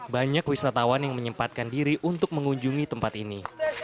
banyak wisatawan yang menyempatkan diri untuk mengunjungi tempat ini